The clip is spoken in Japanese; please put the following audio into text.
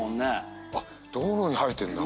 道路に生えてんだ。